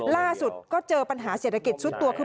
ล่าสุดก็เจอปัญหาเศรษฐกิจซุดตัวขึ้น